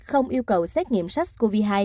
không yêu cầu xét nghiệm sars cov hai